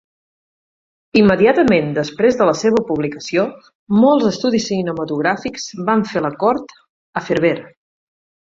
Immediatament després de la seva publicació, molts estudis cinematogràfics van fer la cort a Ferber.